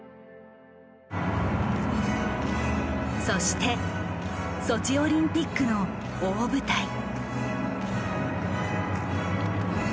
そしてソチオリンピックの大舞台。